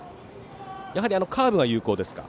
やはりカーブが有効ですか。